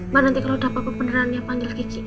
mbak nanti kalau dapet kebenerannya panggil kiki